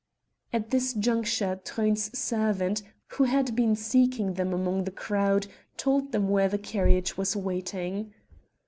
At this juncture Truyn's servant, who had been seeking them among the crowd, told them where the carriage was waiting.